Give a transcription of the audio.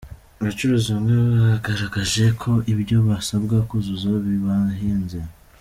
Abacuruzi bamwe bagaragaje ko ibyo basabwa kuzuza bibahenze.